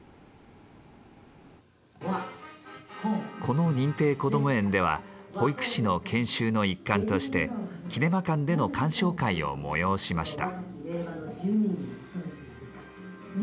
この認定こども園では保育士の研修の一環としてキネマ館での鑑賞会を催しました。